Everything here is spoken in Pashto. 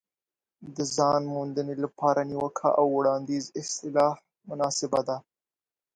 د ځان موندنې لپاره نیوکه او وړاندیز اصطلاح مناسبه ده.